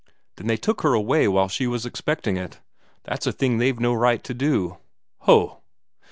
"Then they took her away while she was expecting it. That's a thing they've no right to do." "Ho!"